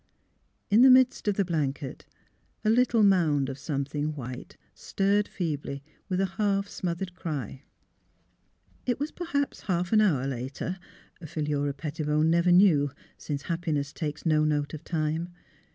In the midst of the blanket a little mound of something white stirred feebly with a half smoth ered cry. It was perhaps half an hour later — Philura Pet tibone never knew, since happiness takes no note of time.